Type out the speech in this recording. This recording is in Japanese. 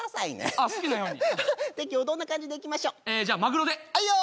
ああ好きなようにで今日どんな感じでいきましょうじゃあマグロであいよ